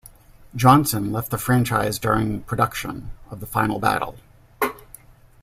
Johnson left the franchise during production of "The Final Battle".